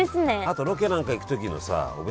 あとロケなんか行くときのさお